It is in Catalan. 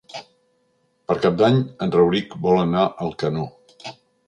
Per Cap d'Any en Rauric vol anar a Alcanó.